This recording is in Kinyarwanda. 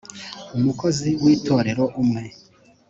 umukozi w itorero umwe